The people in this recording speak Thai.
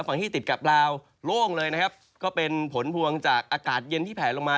ฝั่งที่ติดกับลาวโล่งเลยนะครับก็เป็นผลพวงจากอากาศเย็นที่แผลลงมา